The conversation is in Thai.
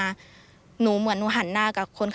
ไลน์ขอความช่วยเหลือจากเพื่อนฟังเสียหายดูนะคะ